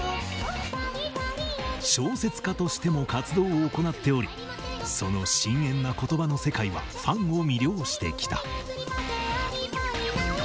小説家としても活動を行っておりその深遠な言葉の世界はファンを魅了してきた。